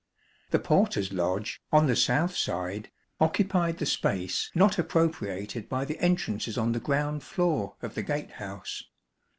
The porter's lodge, on the south side, occupied the space not appropriated by the entrances on the ground floor of the gate house.